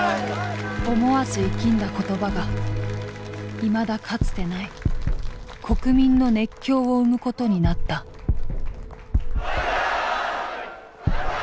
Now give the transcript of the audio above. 思わず息んだ言葉がいまだかつてない国民の熱狂を生むことになった万歳！